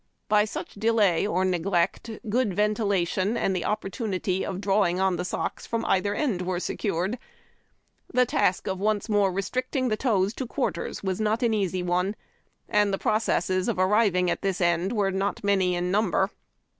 l>y such delay or neglect good ventilation and the o})[)ortunity of drawing on the socks from either end were secured. The task of once more restricting the toes to quarters was not an eas}'" one, and the processes of arriving at this end were not many in nundjer.